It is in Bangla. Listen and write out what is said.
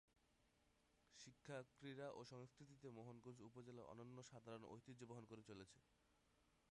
শিক্ষা, ক্রীড়া ও সংস্কৃতিতে মোহনগঞ্জ উপজেলা অনন্য সাধারণ ঐতিহ্য বহন করে চলেছে।